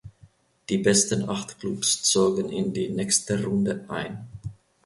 Die besten acht Klubs zogen in die nächste Runde ein.